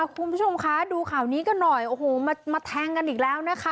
คุณผู้ชมคะดูข่าวนี้กันหน่อยโอ้โหมาแทงกันอีกแล้วนะคะ